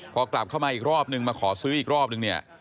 พอกลับเข้ามาอีกรอบนึงมาขอซื้ออีกรอบนึงเนี่ย